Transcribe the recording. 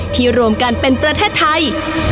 รวมกันเป็นประเทศไทย